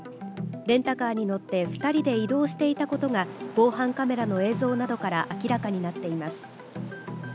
レンタカーに乗って２人で移動していたことが、防犯カメラの映像などから明らかになっています。